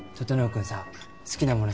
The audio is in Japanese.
君さ好きなもの